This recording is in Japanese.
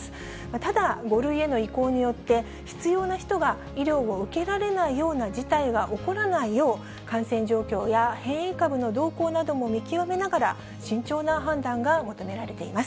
ただ、５類への移行によって、必要な人が医療を受けられないような事態が起こらないよう、感染状況や変異株の動向なども見極めながら、慎重な判断が求められています。